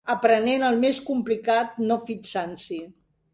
Aprenent el més complicat no fixant-s'hi